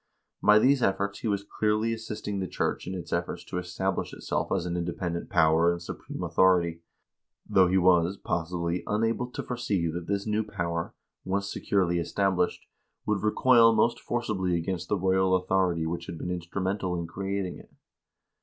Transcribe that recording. By these efforts he was clearly assisting the church in its efforts to es tablish itself as an independent power and supreme authority, though he was, possibly, unable to foresee that this new power, once securely established, would recoil most forcibly against the royal authority which had been instrumental in creating it.